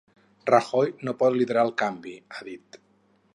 Rajoy no pot liderar el canvi, ha dit.